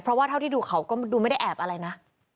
เพราะว่าเท่าที่ดูเขาก็ดูไม่ได้แอบอะไรนะ